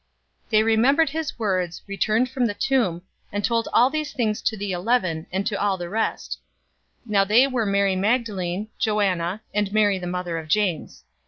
024:008 They remembered his words, 024:009 returned from the tomb, and told all these things to the eleven, and to all the rest. 024:010 Now they were Mary Magdalene, Joanna, and Mary the mother of James.